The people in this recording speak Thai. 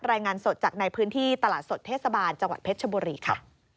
รายงานสดจากในพื้นที่ตลาดสดเทศบาลจังหวัดเพชรชบุรีค่ะ